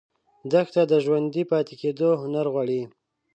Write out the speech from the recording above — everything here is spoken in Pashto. دښته د ژوندي پاتې کېدو هنر غواړي.